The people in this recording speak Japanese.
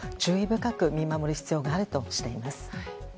深く見守る必要があるとしています。